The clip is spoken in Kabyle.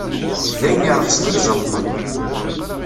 D ayen iṛexsen i yeẓellṭen.